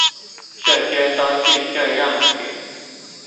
這些都是這樣子